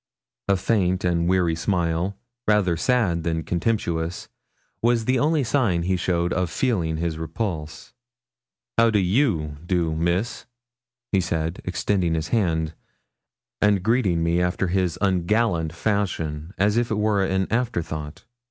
A faint and weary smile, rather sad than comtemptuous, was the only sign he showed of feeling his repulse. 'How do you do, Miss?' he said, extending his hand, and greeting me after his ungallant fashion, as if it were an afterthought.